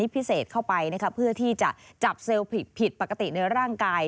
พิเศษเข้าไปเพื่อที่จะจับเซลล์ผิดปกติในร่างกาย